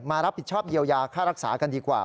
มารับผิดชอบเยียวยาค่ารักษากันดีกว่า